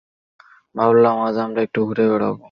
ভাবলাম, আজ আমরা একটু ঘুরে বেড়াব?